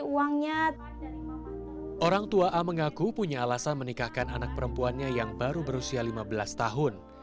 uangnya orang tua a mengaku punya alasan menikahkan anak perempuannya yang baru berusia lima belas tahun